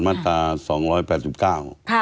มาตรา๒๘๙บาท